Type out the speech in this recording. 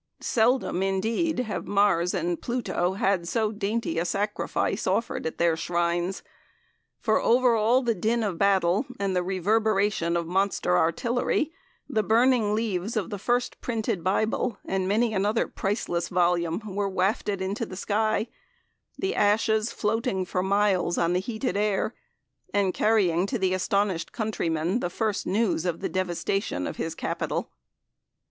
Seldom, indeed, have Mars and Pluto had so dainty a sacrifice offered at their shrines; for over all the din of battle, and the reverberation of monster artillery, the burning leaves of the first printed Bible and many another priceless volume were wafted into the sky, the ashes floating for miles on the heated air, and carrying to the astonished countryman the first news of the devastation of his Capital.